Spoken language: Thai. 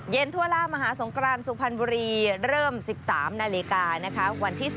ทั่วล่ามหาสงครานสุพรรณบุรีเริ่ม๑๓นาฬิกานะคะวันที่๓